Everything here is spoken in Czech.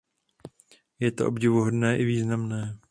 Je to obdivuhodné i významné.